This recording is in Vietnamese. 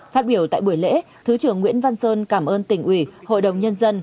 phát biểu tại buổi lễ thứ trưởng nguyễn văn sơn cảm ơn tỉnh ủy hội đồng nhân dân